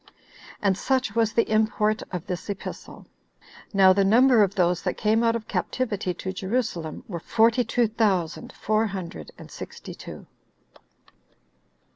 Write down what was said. And such was the import of this epistle. Now the number of those that came out of captivity to Jerusalem, were forty two thousand four hundred and sixty two.